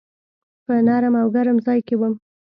په نرم او ګرم ځای کي وم .